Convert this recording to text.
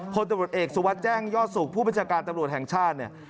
พลตำรวจเอกสุวัสดิ์แจ้งยอดสุขผู้บัญชาการตำรวจแห่งชาติเนี่ย